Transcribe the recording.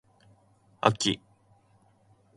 あき